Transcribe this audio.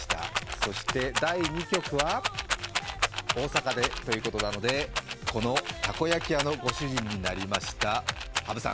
そして第２局は、大阪でということなので、このたこ焼き屋のご主人になりました羽生さん。